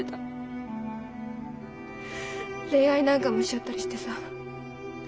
恋愛なんかもしちゃったりしてさ。